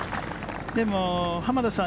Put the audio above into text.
でも濱田さん